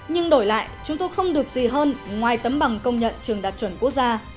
nhưng đổi lại chúng tôi không được gì hơn ngoài tấm bằng công nhận trường đạt chuẩn quốc gia